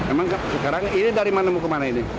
emang sekarang ini dari mana ke mana ini